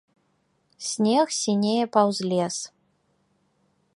Снег сінее паўз лес.